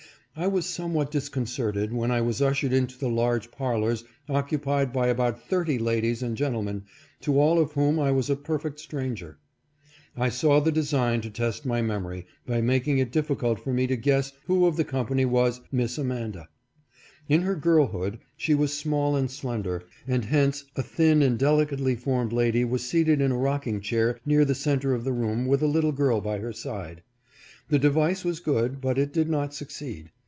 I was somewhat disconcerted when I was ushered into the large parlors occupied by about thirty ladies and gentlemen, to all of whom I was a perfect stranger. I saw the design to test my memory by making it difficult for me to guess who of the company was " Miss Amanda." In her girlhood she was small and slender, and hence a thin and delicately formed lady was seated in a rocking chair near the center of the room with a little girl by her side. The device was good, but it did not succeed.